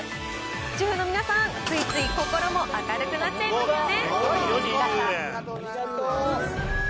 主婦の皆さん、ついつい心も明るくなっちゃいますよね。